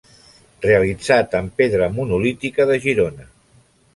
Realitzat en pedra monolítica de Girona.